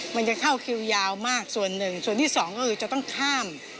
มันจะเข้าคิวยาวมากส่วนหนึ่งส่วนที่สองก็คือจะต้องข้าม